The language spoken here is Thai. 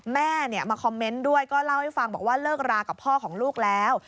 แม่มาคอมเมนต์ด้วยก็เล่าให้ฟังบอกว่าเลิกรากับพ่อของลูกแล้ว